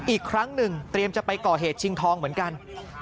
อีกครั้งหนึ่งเตรียมจะไปก่อเหตุชิงทองเหมือนกัน